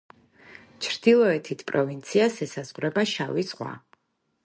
ჩრდილოეთით პროვინციას ესაზღვრება შავი ზღვა.